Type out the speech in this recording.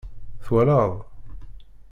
Twalaḍ?